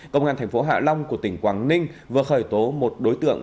công an thành phố hạ long của tỉnh quảng ninh vừa khởi tố một đối tượng